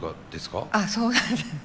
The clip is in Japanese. ああそうなんです。